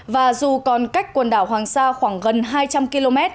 và dù còn cách quần đảo hoàng sa khoảng gần hai trăm linh km